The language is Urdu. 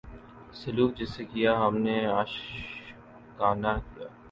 سلوک جس سے کیا ہم نے عاشقانہ کیا